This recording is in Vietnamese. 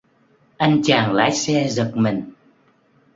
Anh chàng lái xe giật mình